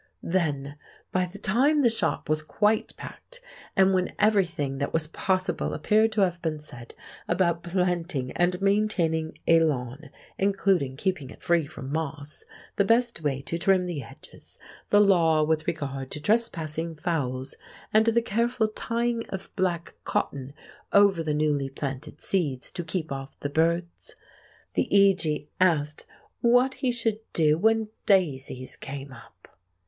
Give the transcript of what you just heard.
Then by the time the shop was quite packed, and when everything that was possible appeared to have been said about planting and maintaining a lawn—including keeping it free from moss, the best way to trim the edges, the law with regard to trespassing fowls, and the careful tying of black cotton over the newly planted seeds to keep off the birds—the E. G. asked what he should do when daisies came up?